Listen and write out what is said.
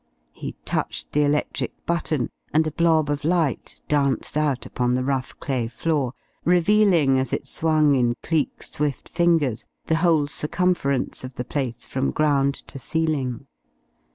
He touched the electric button, and a blob of light danced out upon the rough clay floor, revealing as it swung in Cleek's swift fingers the whole circumference of the place from ground to ceiling.